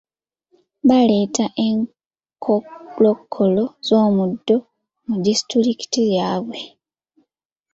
Baaleeta enkolokolo z'omuddo mu disitulikiti yaabwe.